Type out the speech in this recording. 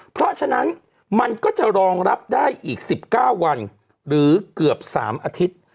เพราะฉะนั้นมันก็จะรองรับได้อีก๑๙วันหรือเกือบ๓อาทิตย์